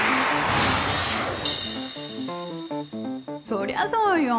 そりゃそうよ。